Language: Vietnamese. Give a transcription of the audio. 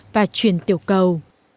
và chuyển tiểu cầu